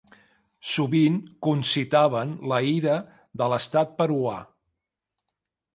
Sovint concitaven la ira de l'estat peruà.